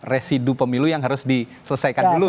residu pemilu yang harus diselesaikan dulu